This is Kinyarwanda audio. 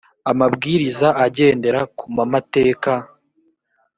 amabwiriza agendera kumamateka.